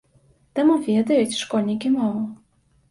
Таму ведаюць школьнікі мову.